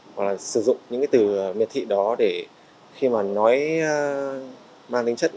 hoặc là sử dụng những cái từ miệt thị đó để khi mà nói mang tính chất